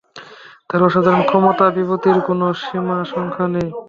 তাঁর অসাধারণ ক্ষমতা, বিভূতির কোনো সীমাসংখ্যা নেই।